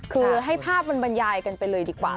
คือให้ภาพมันบรรยายกันไปเลยดีกว่า